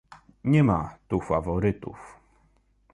Nie ma tu faworytów